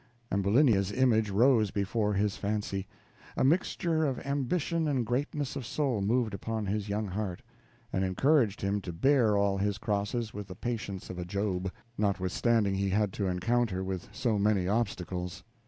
Ambulinia's image rose before his fancy. A mixture of ambition and greatness of soul moved upon his young heart, and encouraged him to bear all his crosses with the patience of a Job, notwithstanding he had to encounter with so many obstacles.